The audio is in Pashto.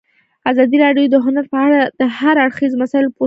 ازادي راډیو د هنر په اړه د هر اړخیزو مسایلو پوښښ کړی.